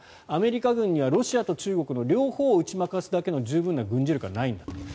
アメリカ軍にはロシアと中国の両方を打ち負かすだけの十分な軍事力はないんだと。